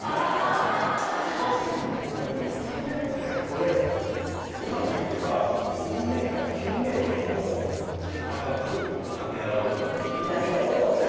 これうまくいけば水面から９メートルも高く跳ね上がる事ができる。